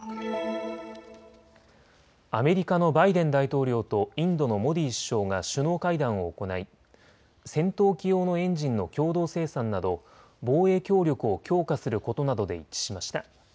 アメリカのバイデン大統領とインドのモディ首相が首脳会談を行い戦闘機用のエンジンの共同生産など防衛協力を強化することなどで一致しました。